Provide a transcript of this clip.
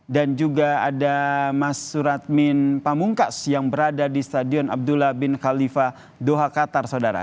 dan juga ada mas suratmin pamungkas yang berada di stadion abdullah bin khalifa doha qatar saudara